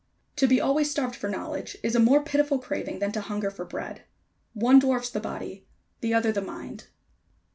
To be always starved for knowledge is a more pitiful craving than to hunger for bread. One dwarfs the body; the other the mind.